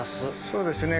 そうですね。